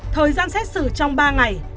thời gian xét xử trong ba ngày